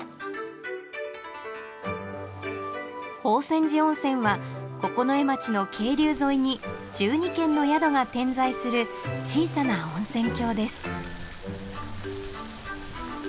宝泉寺温泉は九重町の渓流沿いに１２軒の宿が点在する小さな温泉郷です